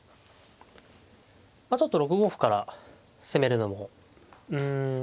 まあちょっと６五歩から攻めるのもうんまあ